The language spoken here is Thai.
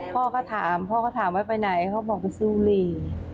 พ่อก็ถามพ่อก็ถามไว้ไปไหนเขาบอกไปซุรี